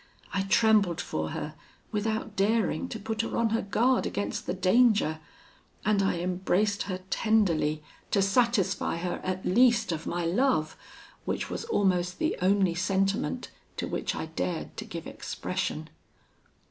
I trembled for her, without daring to put her on her guard against the danger; and I embraced her tenderly, to satisfy her, at least, of my love, which was almost the only sentiment to which I dared to give expression.